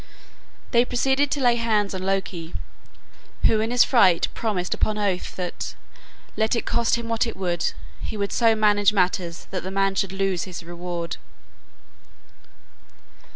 They proceeded to lay hands on Loki, who in his fright promised upon oath that, let it cost him what it would, he would so manage matters that the man should lose his reward.